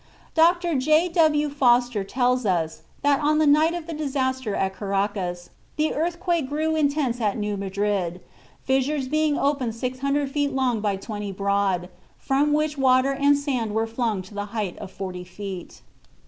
Dr. J. W. Foster tells us that on the night of the disaster at Caracas the earthquake grew intense at New Madrid, fissures being opened six hundred feet long by twenty broad, from which water and sand were flung to the height of forty feet.